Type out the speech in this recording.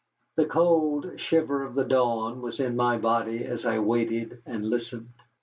The cold shiver of the dawn was in my body as I waited and listened.